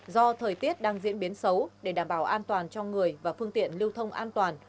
do thời tiết đang diễn biến xấu để đảm bảo an toàn cho người và phương tiện lưu thông an toàn